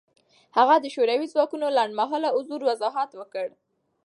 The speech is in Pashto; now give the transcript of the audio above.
هغه د شوروي ځواکونو لنډمهاله حضور وضاحت ورکړ.